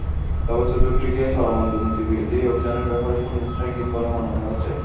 তবে চতুর্থটিকে চলমান দুর্নীতিবিরোধী অভিযানের ব্যাপারে সুনির্দিষ্ট ইঙ্গিত বলে মনে করা হচ্ছে।